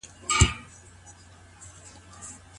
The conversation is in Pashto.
د یو زده کوونکي تجربه د بل لپاره درس کیدلای سي.